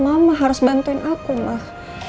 mama harus bantuin aku mah